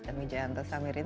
dan mijayanto samirin